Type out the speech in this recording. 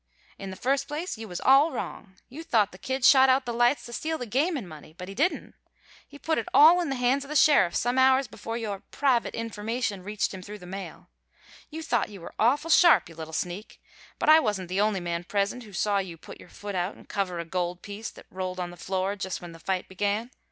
In the first place, you was all wrong. You thought the Kid shot out the lights to steal the gamin' money; but he didn't. He put it all in the hands of the sheriff some hours before your 'private information' reached him through the mail. You thought you were awful sharp, you little sneak! But I wasn't the only man present who saw you put your foot out an' cover a gold piece that rolled on the floor just when the fight began.